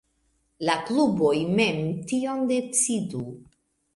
La kluboj mem tion decidu.